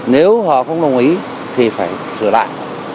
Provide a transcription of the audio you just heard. nếu họ không đồng ý thì phải sửa lại